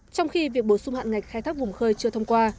trong khi việc bổ sung hạn ngạch khai thác vùng khơi chưa thông qua